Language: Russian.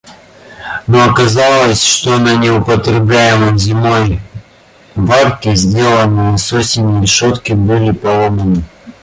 Но оказалось, что на неупотребляемом зимой варке сделанные с осени решетки были поломаны.